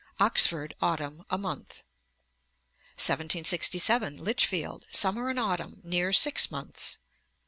Oxford, autumn; a month. Ante, ii. 25. 1767. Lichfield, summer and autumn; 'near six months.'